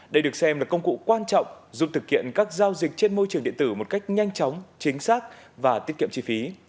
đây được xem là công cụ quan trọng giúp thực hiện các giao dịch trên môi trường điện tử một cách nhanh chóng chính xác và tiết kiệm chi phí